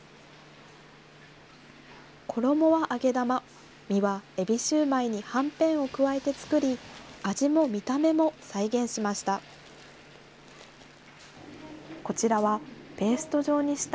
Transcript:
衣は揚げ玉、身はエビシューマイにはんぺんを加えて作り、味も見た目も再現しました。